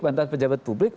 bantuan pejabat publik